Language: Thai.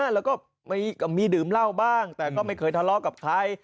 แล้วก็มีดื่มเหล้าบ้างแต่ก็ไม่เคยทะเลาะกับใคร